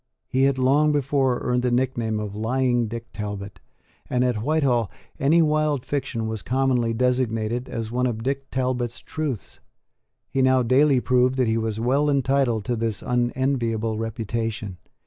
He had long before earned the nickname of Lying Dick Talbot; and, at Whitehall, any wild fiction was commonly designated as one of Dick Talbot's truths. He now daily proved that he was well entitled to this unenviable reputation.